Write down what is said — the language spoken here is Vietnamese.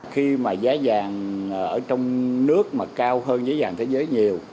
khi mà giá vàng ở trong nước mà cao hơn giá vàng thế giới nhiều